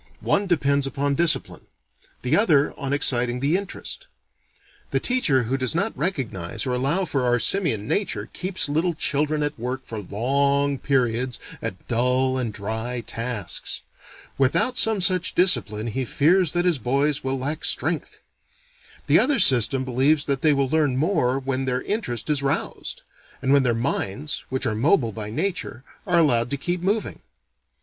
One depends upon discipline. The other on exciting the interest. The teacher who does not recognize or allow for our simian nature, keeps little children at work for long periods at dull and dry tasks. Without some such discipline, he fears that his boys will lack strength. The other system believes they will learn more when their interest is roused; and when their minds, which are mobile by nature, are allowed to keep moving.